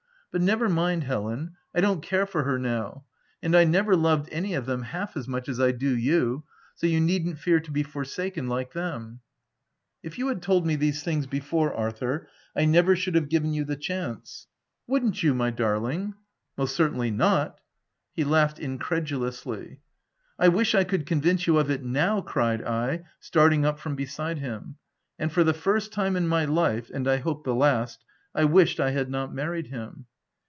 " But never mind, Helen, I don't care for her now ; and I never loved any of them half as much as I do you; so you needn't fear to be forsaken like them." €t If you had told me these things before, Arthur, I never should have given you the chance." t{ Wouldn't you, my darling !"" Most certainly not R? He laughed incredulously. " I wish I could convince you of it now !" cried I, starting up from beside him ; and for the first time in my life, and I hope the last, I wished I had not married him.